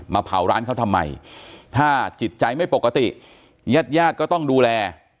เผาร้านเขาทำไมถ้าจิตใจไม่ปกติญาติญาติก็ต้องดูแล